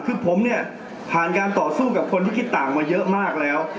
คือผมเนี่ยผ่านการต่อสู้กับคนที่คิดต่างมาเยอะมากแล้ว